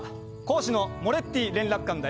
講師のモレッティ連絡官だよ。